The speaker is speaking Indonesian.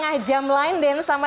jadi kalau anda ingin mencoba